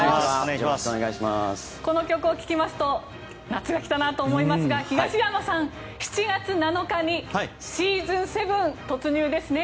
この曲を聴きますと夏が来たなという感じがしますが東山さん、７月７日にシーズン７突入ですね。